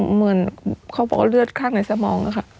เหมือนเขาก็เลือดข้างในสมองอะครับ